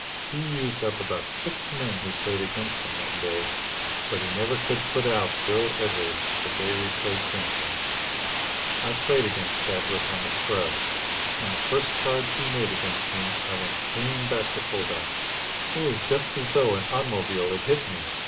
He used up about six men who played against him that day, but he never could put out Bill Edwards the day we played Princeton. I played against Chadwick on the Scrub, and the first charge he made against me I went clean back to fullback. It was just as though an automobile had hit me.